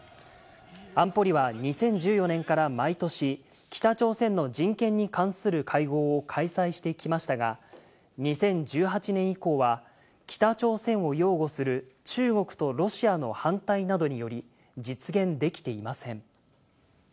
安保理は２０１４年から毎年、北朝鮮の人権に関する会合を開催してきましたが、２０１８年以降は北朝鮮を擁護する中国とロシアの反対などにより実現できていません。